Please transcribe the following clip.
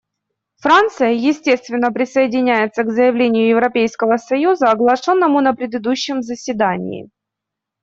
Франция, естественно, присоединяется к заявлению Европейского союза, оглашенному на предыдущем заседании.